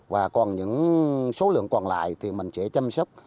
và còn những số lượng còn lại thì mình sẽ chăm sóc